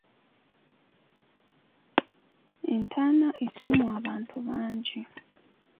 Entaana esimwa abantu bangi